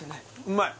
うまい！